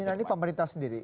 bu nina ini pemerintah sendiri